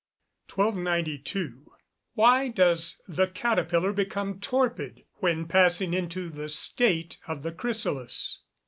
1292. _Why does the caterpillar become torpid when passing into the state of the chrysalis?